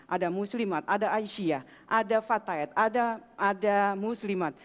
ada muslimat ada aisyah ada fatayat ada muslimat